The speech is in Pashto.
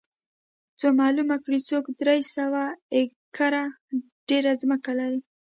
څو معلومه کړي څوک درې سوه ایکره ډېره ځمکه لري